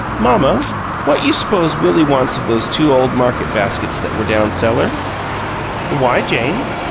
"Mamma, what you s'pose Willie wants of those two ole market baskets that were down cellar?" "Why, Jane?"